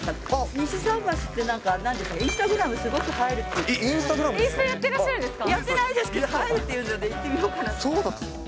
西桟橋って、なんか、インスタグインスタやってらっしゃるんやってないですけど、映えるっていうので行ってみようかなと。